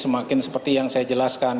semakin seperti yang saya jelaskan